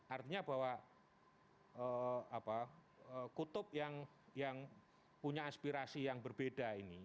artinya bahwa kutub yang punya aspirasi yang berbeda ini